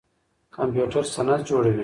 کمپيوټر سند جوړوي.